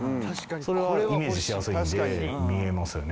それはイメージしやすいので見えますよね。